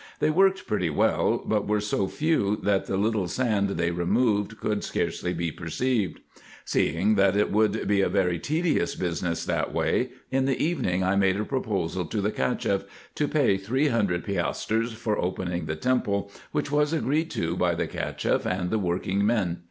They worked pretty well, but were so few that the little sand they removed could scarcely be perceived. Seeing that it would be a very tedious business that way, in the evening I made a proposal to the Cacheff to pay three hundred piastres for opening the temple, which was agreed to by the Cacheff and the working men.